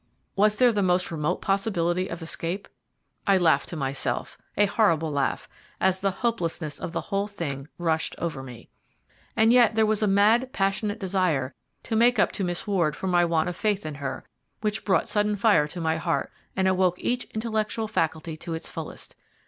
Was there the most remote possibility of escape? I laughed to myself, a horrible laugh, as the hopelessness of the whole thing rushed over me. And yet there was a mad passionate desire to make up to Miss Ward for my want of faith in her, which brought sudden fire to my heart and awoke each intellectual faculty to its fullest.